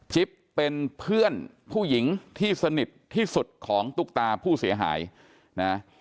เป็นเพื่อนผู้หญิงที่สนิทที่สุดของตุ๊กตาผู้เสียหายนะ